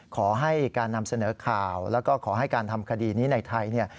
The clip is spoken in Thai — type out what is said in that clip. ขอให้การนำเสนอข่าวแล้วก็ขอให้การทำคดีนี้ในไทยเนี่ย